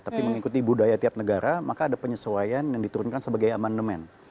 tapi mengikuti budaya tiap negara maka ada penyesuaian yang diturunkan sebagai amandemen